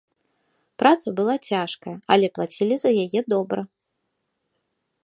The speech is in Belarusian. Праца была цяжкая, але плацілі за яе добра.